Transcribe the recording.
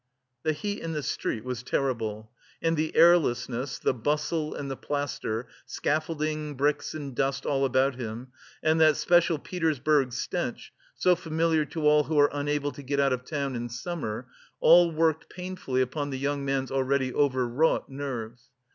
The heat in the street was terrible: and the airlessness, the bustle and the plaster, scaffolding, bricks, and dust all about him, and that special Petersburg stench, so familiar to all who are unable to get out of town in summer all worked painfully upon the young man's already overwrought nerves.